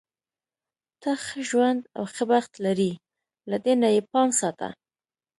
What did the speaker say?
ته ښه ژوند او ښه بخت لری، له دې نه یې پام ساته.